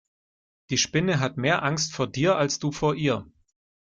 Die Spinne hat mehr Angst vor dir als du vor ihr.